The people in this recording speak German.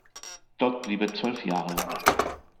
Dort blieb er zwölf Jahre lang.